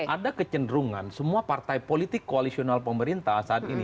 ada kecenderungan semua partai politik koalisional pemerintah saat ini